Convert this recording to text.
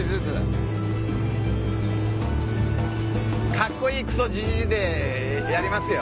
カッコいいクソじじいでやりますよ。